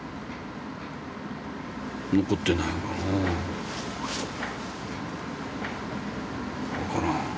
残ってないからな。